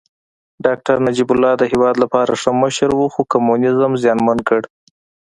داکتر نجيب الله د هېواد لپاره ښه مشر و خو کمونيزم زیانمن کړ